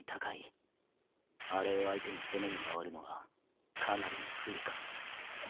あれを相手に攻めに回るのはかなりの不利か。